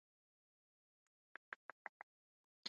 د مېلو یوه ښایسته بڼه د بازيو نندارې يي.